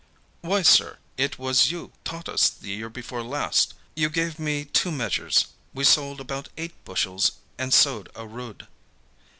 "Why, sir, it was you taught us the year before last. You gave me two measures. We sold about eight bushels and sowed a rood."